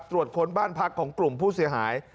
ตรวจค้นบ้านพักของกลุ่มผู้เสียหาย